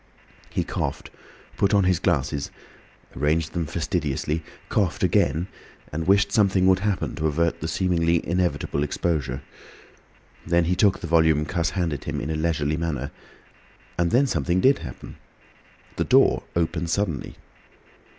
He coughed, put on his glasses, arranged them fastidiously, coughed again, and wished something would happen to avert the seemingly inevitable exposure. Then he took the volume Cuss handed him in a leisurely manner. And then something did happen. The door opened suddenly.